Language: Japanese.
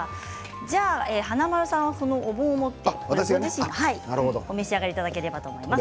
華丸さんはこの、お盆を持ってお召し上がりいただければと思います。